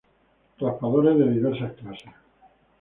Raspadores de diversas clases.